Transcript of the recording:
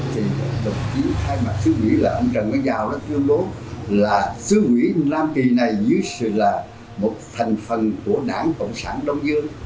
thì tập trí thay mặt sứ quỷ là ông trần nguyễn giao đã tuyên bố là sứ quỷ nam kỳ này dưới sự là một thành phần của đảng cộng sản đông dương